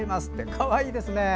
かわいいですね！